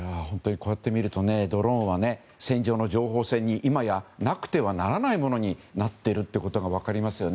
こうやって見るとドローンは戦場の情報戦に、いまやなくてはならないものになっているのが分かりますよね。